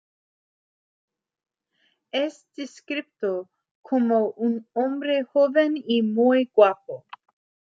Es descrito como "un hombre joven y muy guapo".